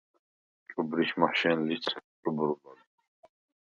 ჭუბრიშ მაშენ ლიც ჭუბრულა ლი.